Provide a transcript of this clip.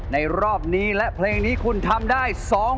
รอบนี้และเพลงนี้คุณทำได้